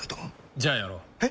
じゃあやろう。え？